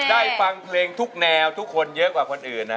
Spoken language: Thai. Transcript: ฟังเพลงทุกแนวทุกคนเยอะกว่าคนอื่นนะ